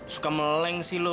suka meleng sih lo